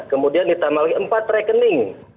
kemudian ditambah lagi empat rekening